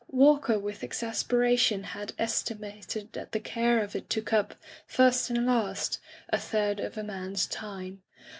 Walker with exasperation had es timated that the care of it took up, first and last, a third of a man's time.